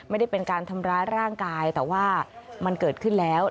ไม่ได้เป็นการทำร้ายร่างกายแต่ว่ามันเกิดขึ้นแล้ว